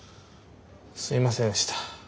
すいませんでした。